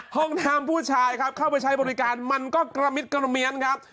ห้องน้ำผู้ชายครับเข้าไปใช้บริการมันก็กระมิดกระเมียนครับ